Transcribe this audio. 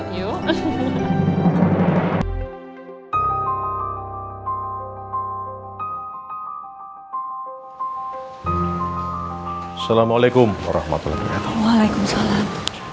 assalamualaikum warahmatullah waalaikumsalam